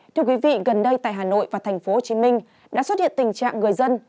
thưa quý vị gần đây tại hà nội và thành phố hồ chí minh đã xuất hiện tình trạng người dân